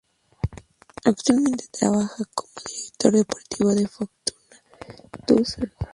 Actualmente trabaja como director deportivo del Fortuna Düsseldorf.